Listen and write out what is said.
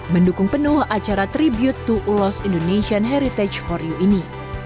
mendukung penuh acara tribute to ulos indonesian heritage for you ini